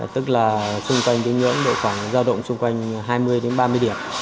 tức là xung quanh ngưỡng độ khoảng giao động xung quanh hai mươi ba mươi điểm